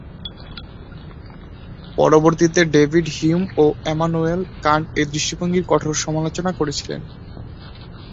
পরবর্তীতে David Hume ও Emmanuel Kant এই দৃষ্টিভঙ্গির কঠোর সমালোচনা করেছিলেন।